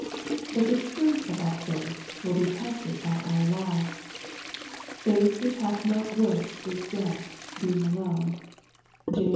But the truth of our faith will be tested by our lives. Faith which hath not works is dead, being alone. (James ii.